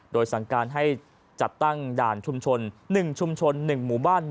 โดยสั่งการให้จัดตั้งด่านชุมชน๑ชุมชน๑หมู่บ้าน๑